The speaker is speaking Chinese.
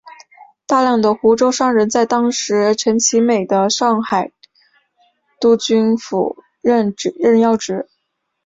大量的湖州商人在当时陈其美的上海督军府任要职。